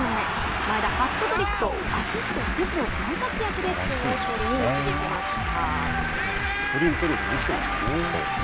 前田、ハットトリックとアシスト１つの大活躍でチームを勝利に導きました。